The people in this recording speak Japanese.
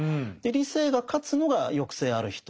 理性が勝つのが抑制ある人